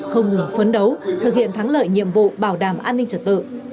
không ngừng phấn đấu thực hiện thắng lợi nhiệm vụ bảo đảm an ninh trật tự